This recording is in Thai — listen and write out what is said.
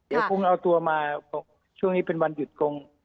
เดี๋ยวคงเอาตัวมาช่วงนี้เป็นวันหยุดกง